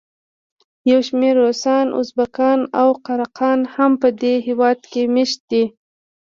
یو شمېر روسان، ازبکان او قراقان هم په دې هېواد کې مېشت دي.